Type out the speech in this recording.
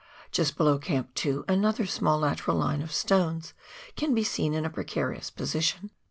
Just below Camp 2, another small lateral line of stones can be seen in a precarious position.